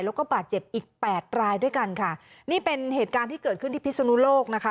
แล้วก็บาดเจ็บอีกแปดรายด้วยกันค่ะนี่เป็นเหตุการณ์ที่เกิดขึ้นที่พิศนุโลกนะคะ